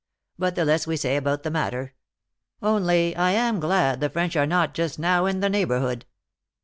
But the less we say about the matter only I am glad the French are not just now in the neighbor hood."